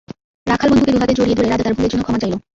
রাখাল বন্ধুকে দুহাতে জড়িয়ে ধরে রাজা তার ভুলের জন্য ক্ষমা চাইল।